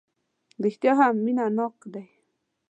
رېښتیا هم مینه ناک دی.